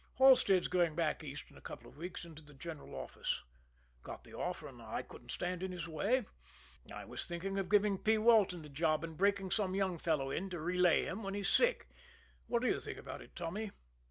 Halstead's going back East in a couple of weeks into the general office got the offer, and I couldn't stand in his way. I was thinking of giving P. Walton the job, and breaking some young fellow in to relay him when he's sick. What do you think about it, Tommy?"